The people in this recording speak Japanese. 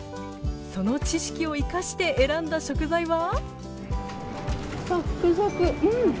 その知識を生かして選んだ食材はサックサク。